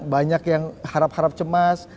banyak yang harap harap cemas